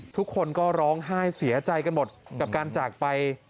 ทุกคนก็ร้องไห้เสียใจกันหมดกับการจากไป